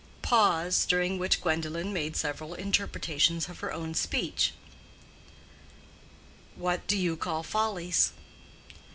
(Pause, during which Gwendolen made several interpretations of her own speech.) "What do you call follies?"